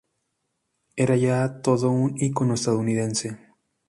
Era ya todo un icono estadounidense.